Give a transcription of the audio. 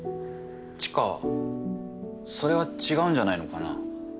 知花それは違うんじゃないのかな。